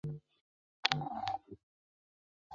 一张图可以有多个边缘点。